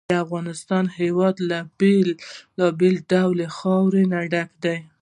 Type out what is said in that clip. د افغانستان هېواد له بېلابېلو ډولونو خاوره ډک دی.